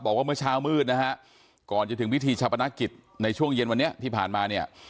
บอกว่าเมื่อเช้ามืดนะฮะก่อนจะถึงพิธีชาปนกิจในช่วงเย็นวันนี้ที่ผ่านมาเนี่ย